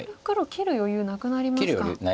切る余裕なくなりました。